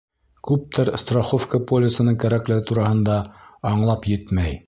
Күптәр страховка полисының кәрәклеге тураһында аңлап етмәй.